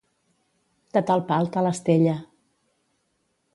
de tal pal tal estella